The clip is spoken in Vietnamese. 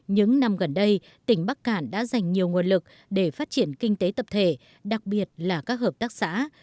những năm gần đây tỉnh bắc cản đã dành nhiều nguồn lực để phát triển kinh tế tập thể đặc biệt là các hợp tác xã